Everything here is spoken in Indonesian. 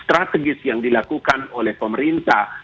strategis yang dilakukan oleh pemerintah